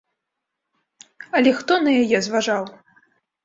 Але хто на яе зважаў?